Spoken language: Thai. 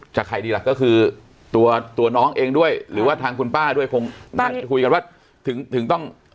ใครดีล่ะก็คือตัวตัวน้องเองด้วยหรือว่าทางคุณป้าด้วยคงนั่งคุยกันว่าถึงต้อง